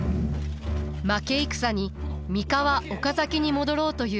負け戦に三河岡崎に戻ろうという家臣たち。